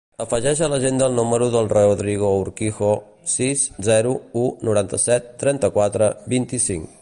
Afegeix a l'agenda el número del Rodrigo Urquijo: sis, zero, u, noranta-set, trenta-quatre, vint-i-cinc.